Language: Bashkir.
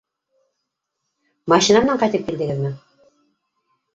Машина менән ҡайтып килдегеҙме?